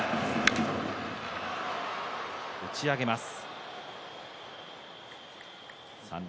打ち上げます。